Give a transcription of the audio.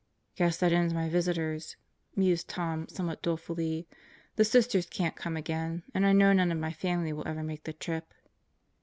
"Guess that ends my visitors," mused Tom somewhat dolefully. "The Sisters can't come again, and I know none of my family will ever make the trip."